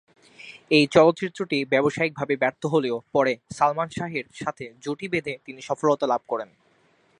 এই চলচ্চিত্রটি ব্যবসায়িকভাবে ব্যর্থ হলেও পরে সালমান শাহের সাথে জুটি বেধে তিনি সফলতা লাভ করেন।